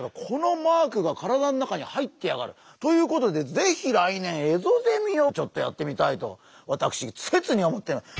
このマークが体の中に入ってやがる。ということでぜひ来年エゾゼミをちょっとやってみたいと私切に思ってる。